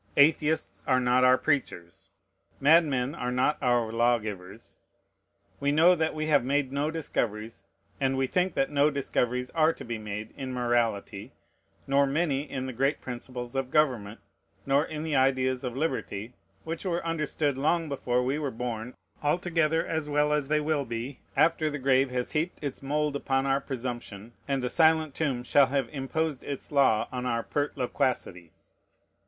Atheists are not our preachers; madmen are not our lawgivers. We know that we have made no discoveries, and we think that no discoveries are to be made, in morality, nor many in the great principles of government, nor in the ideas of liberty, which were understood long before we were born altogether as well as they will be after the grave has heaped its mould upon our presumption, and the silent tomb shall have imposed its law on our pert loquacity.